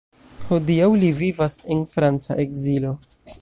Hodiaŭ li vivas en franca ekzilo.